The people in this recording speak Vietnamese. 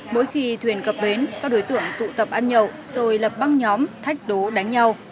mỗi khi thuyền cập bến các đối tượng tụ tập ăn nhậu rồi lập băng nhóm thách đố đánh nhau